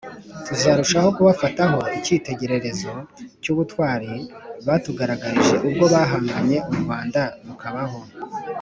tuzarushaho kubafataho icyitegererezo cy’ubutwari batugaragarije ubwo bahangage u Rwanda rukabaho